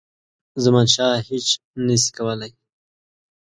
زمانشاه هیچ نه سي کولای.